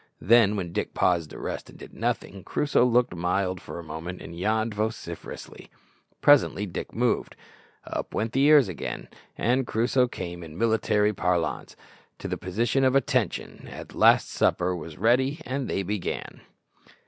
Then, when Dick paused to rest and did nothing, Crusoe looked mild for a moment, and yawned vociferously. Presently Dick moved up went the ears again, and Crusoe came, in military parlance, "to the position of attention!" At last supper was ready and they began.